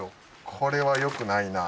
これはよくないなぁ。